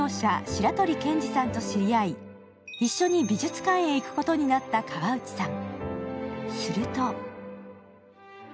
白鳥建ニさんと知り合い、一緒に美術館へ行くことになった川内さん。